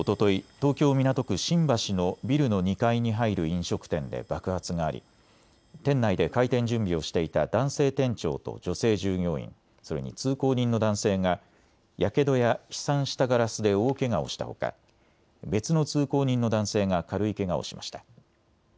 東京港区新橋のビルの２階に入る飲食店で爆発があり店内で開店準備をしていた男性店長と女性従業員、それに通行人の男性がやけどや飛散したガラスで大けがをしたほか別の通行人の男性が軽いけがをしました。